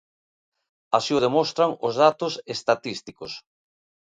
Así o demostran os datos estatísticos.